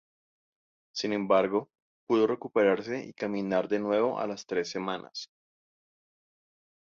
Sin embargo, pudo recuperarse y caminar de nuevo a las tres semanas.